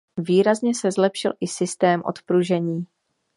Výrazně se zlepšil i systém odpružení.